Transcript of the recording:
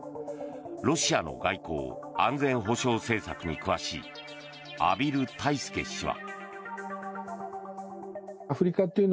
ロシアの外交・安全保障政策に詳しい畔蒜泰助氏は。